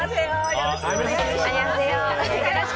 よろしくお願いします。